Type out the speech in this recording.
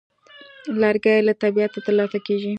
لرګی له طبیعته ترلاسه کېږي.